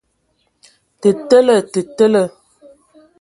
Tə tele! Te tele.